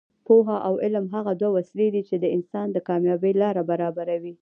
پوهه او علم هغه دوه وسلې دي چې د انسان د کامیابۍ لاره برابروي.